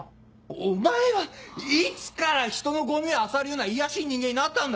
お前はいつから人のゴミをあさるような卑しい人間になったんだ！